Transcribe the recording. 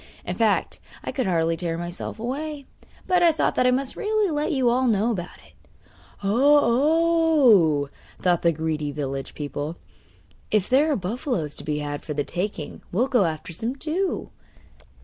In fact, I could hardly tear myself away; but I thought that I must really let you all know about it.' 'Oh, oh!' thought the greedy village people; 'if there are buffaloes to be had for the taking we'll go after some too.